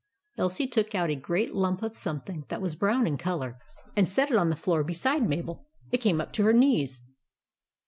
Elsie took out a great lump of something that was brown in colour, and set it on the floor beside Mabel. It came up to her knees.